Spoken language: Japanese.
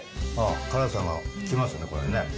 辛さが来ますよね、これね。